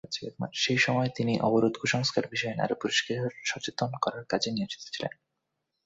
সেই সময় তিনি অবরোধ-কুসংস্কার বিষয়ে নারী-পুরুষকে সচেতন করার কাজে নিয়োজিত ছিলেন।